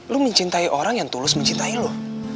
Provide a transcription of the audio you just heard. lu mencintai orang yang tulus mencintai lo